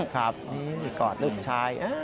ครับนี่กอดลูกชาย